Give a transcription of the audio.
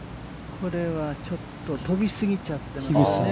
これはちょっと飛び過ぎちゃってますね。